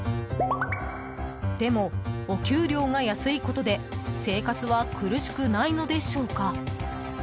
でも、お給料が安いことで生活は苦しくないのでしょうか。